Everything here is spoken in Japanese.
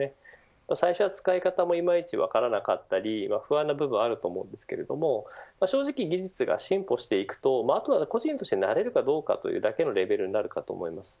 最初は、使い方もいまいち分からなかったり不安な部分はあると思いますが正直技術が進歩していくとあとは個人として慣れるかどうかというだけのレベルになると思います。